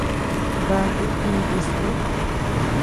Daku neés uu.